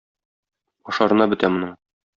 Ашарына бетә моның.